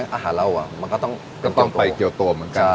อาหารเราอ่ะมันก็ต้องก็ต้องไปเกียวโตเหมือนกันใช่